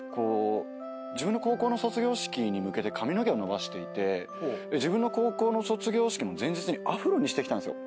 自分の高校の卒業式に向けて髪の毛を伸ばしていて自分の高校の卒業式の前日にアフロにしてきたんですよ。